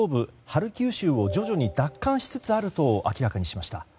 ハルキウ州を徐々に奪還しつつあると明らかにしました。